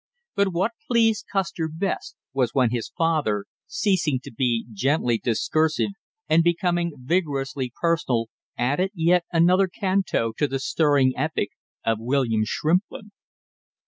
But what pleased Custer best was when his father, ceasing to be gently discursive and becoming vigorously personal, added yet another canto to the stirring epic of William Shrimplin.